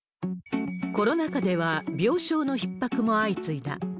コロナ禍では病床のひっ迫も相次いだ。